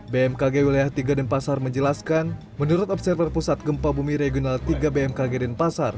bmkg wilayah tiga denpasar menjelaskan menurut observer pusat gempa bumi regional tiga bmkg denpasar